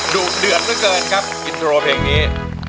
ดุเดือดเหลือเกินครับอินโทรเพลงนี้